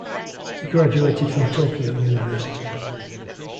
He graduated from Tokyo University.